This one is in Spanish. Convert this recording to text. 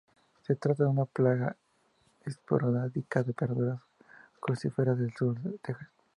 Se trata de una plaga esporádica de verduras crucíferas en el sur de Texas.